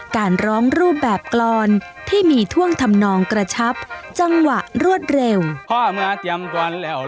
การร้องรูปแบบกรอนที่มีท่วงทำนองกระชับจังหวะรวดเร็ว